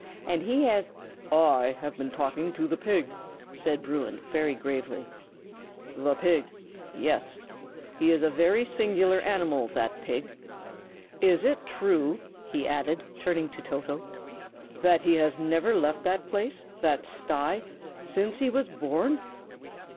And he has " "I have been talking to the pig," said Bruin, very gravely. "The pig. Yes. He is a very singular animal, that pig. Is it true," he added, turning to Toto, "that he has never left that place, that sty, since he was born?"